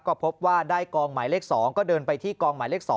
ก็พบว่าได้กองหมายเลข๒ก็เดินไปที่กองหมายเลข๒